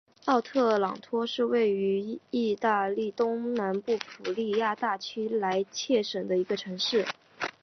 奥特朗托是位于义大利东南部普利亚大区莱切省的一个城市。